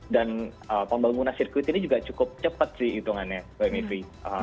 dan pembangunan sirkuit ini juga cukup cepat sih hitungannya mbak miki